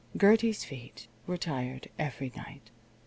Gertie's feet were tired every night.